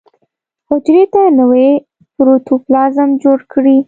حجرې ته نوی پروتوپلازم جوړ کړي.